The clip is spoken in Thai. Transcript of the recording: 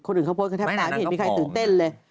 เขาโพสต์กันแทบตายไม่เห็นมีใครตื่นเต้นเลย